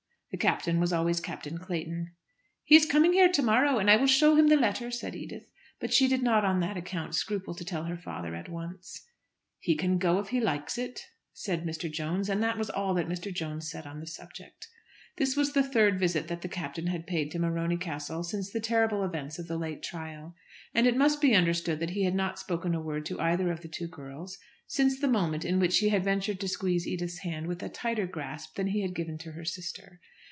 The Captain was always Captain Clayton. "He is coming here to morrow, and I will show him the letter," said Edith. But she did not on that account scruple to tell her father at once. "He can go if he likes it," said Mr. Jones, and that was all that Mr. Jones said on the subject. This was the third visit that the Captain had paid to Morony Castle since the terrible events of the late trial. And it must be understood that he had not spoken a word to either of the two girls since the moment in which he had ventured to squeeze Edith's hand with a tighter grasp than he had given to her sister.